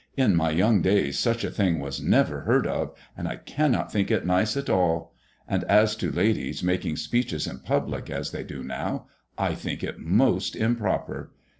''In my young days such a thing was never heard of, and I cannot think it nice at all. And as to ladies making speeches in public, as they do now, I think it most improper.